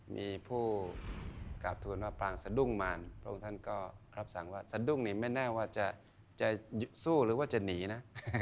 มีผู้กราบทวนว่าปรางสะดุ้งมารพระองค์ท่านก็รับสั่งว่าสะดุ้งนี่ไม่แน่ว่าจะสู้หรือว่าจะหนีนะ